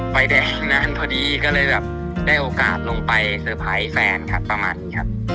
ไฟแดงนานพอดีก็เลยแบบได้โอกาสลงไปเตอร์ไพรส์แฟนครับประมาณนี้ครับ